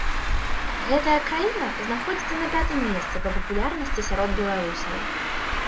Гэтая краіна знаходзіцца на пятым месцы па папулярнасці сярод беларусаў.